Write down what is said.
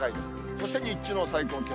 そして日中の最高気温。